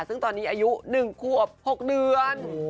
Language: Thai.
ซึ่งตอนนี้อายุ๑ขวบ๖เดือน